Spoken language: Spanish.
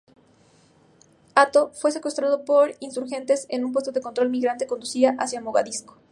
Atto fue secuestrado por insurgentes en un puesto de control mientras conducía hacia Mogadiscio.